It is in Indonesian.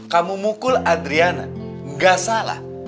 kamu mukul adriana gak salah